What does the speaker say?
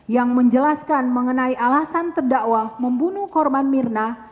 yang menjelaskan mengenai alasan terdakwa membunuh korban mirna